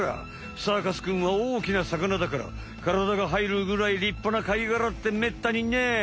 サーカスくんは大きなさかなだからからだがはいるぐらいりっぱな貝がらってめったにない。